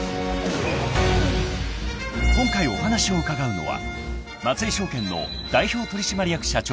［今回お話を伺うのは］